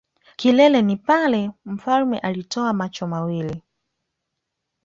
kilele ni pale mfalme alijotoa macho mawili.